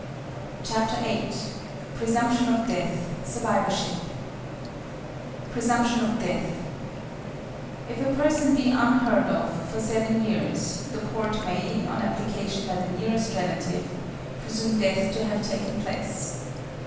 VIII. PRESUMPTION OF DEATH; SURVIVORSHIP =Presumption of Death.= If a person be unheard of for seven years, the court may, on application by the nearest relative, presume death to have taken place.